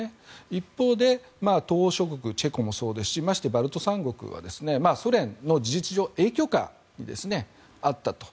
一方で東欧諸国チェコもそうですしましてバルト三国はソ連の事実上、影響下にあったと。